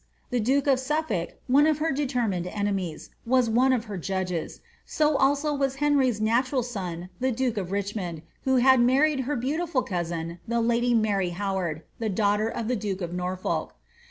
The duke of SufK>lk, one of her determined enemies, was one of her jinlges, so also was Henry's natural son, the duke of Richmond, who had married her beautiful cousin the lady Mary Howard, the daughter '•f the duke of Norfolk.